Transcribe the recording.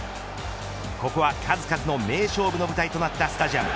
ここは数々の名勝負の舞台となったスタジアム。